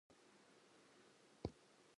Music on the radio was unusual.